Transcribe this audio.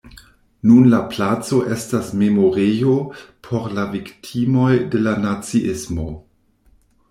Nun la placo estas memorejo por la viktimoj de la naziismo.